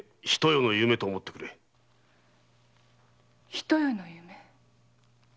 ひと夜の夢。